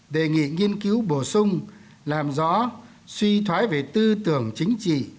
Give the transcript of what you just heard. đề nghị nghiên cứu bổ sung làm rõ suy thoái về tư tưởng chính trị